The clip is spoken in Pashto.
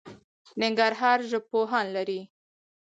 ننګرهار ژبپوهان لري